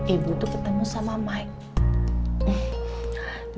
ibu tuh ketemu sama mike